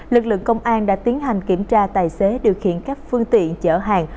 lực lượng công an đã tiến hành kiểm tra tài xế điều khiển các phương tiện chở hàng